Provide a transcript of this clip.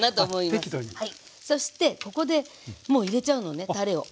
そしてここでもう入れちゃうのねたれを。